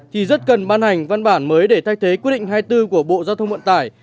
thì rất cần ban hành văn bản mới để thay thế quyết định hai mươi bốn của bộ giao thông vận tải